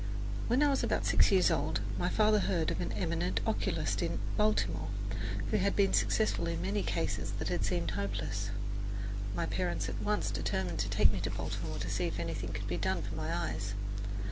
When I was about six years old, my father heard of an eminent oculist in Baltimore, who had been successful in many cases that had seemed hopeless. My parents at once determined to take me to Baltimore to see if anything could be done for my eyes.